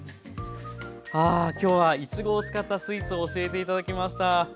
ああきょうはいちごを使ったスイーツを教えて頂きました。